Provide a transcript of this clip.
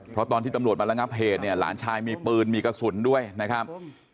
เพราะตอนที่ตำรวจมาระงับเหตุเนี่ยหลานชายมีปืนมีกระสุนด้วยนะครับ